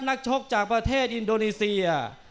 นักชกจากประเทศอินโดนีเซีย